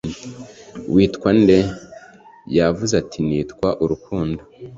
witwa nde? ' yavuze ati 'nitwa urukundo